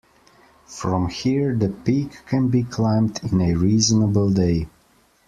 From here, the peak can be climbed in a reasonable day.